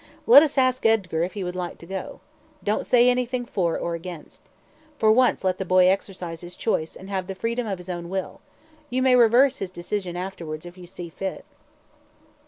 Let us ask Edgar if he would like to go. Don't say anything for or against. For once let the boy exercise his choice, and have the freedom of his own will. You may reverse his decision afterwards if you see fit."